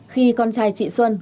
khi con trai chị xuân